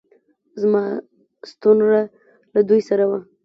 زما ستونره له دوی سره وه